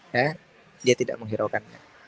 ya dia tidak menghiraukannya